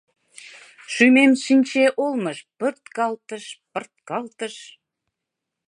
Шумем шинче олмыш, пырткалтыш, пырткалтыш